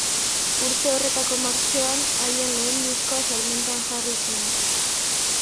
Urte horretako martxoan, haien lehen diskoa salmentan jarri zen.